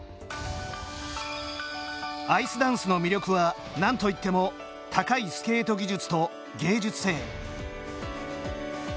アイスダンスの魅力はなんといっても高いスケート技術と芸術性。